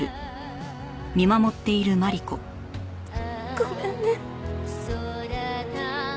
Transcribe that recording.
ごめんね。